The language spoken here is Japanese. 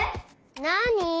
なに？